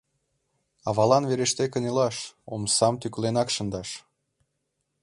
Авалан вереште кынелаш, омсам тӱкыленак шындаш.